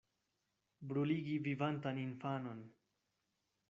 Bruligi vivantan infanon!